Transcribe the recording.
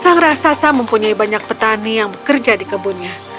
sang raksasa mempunyai banyak petani yang bekerja di kebunnya